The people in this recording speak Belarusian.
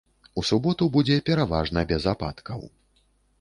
У суботу будзе пераважна без ападкаў.